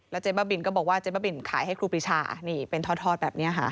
เจ๊บ้าบินก็บอกว่าเจ๊บ้าบินขายให้ครูปรีชานี่เป็นทอดแบบนี้ค่ะ